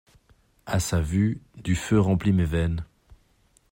A sa vue, du feu remplit mes veines.